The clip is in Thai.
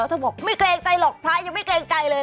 เธอบอกไม่เกรงใจหรอกพระยังไม่เกรงใจเลย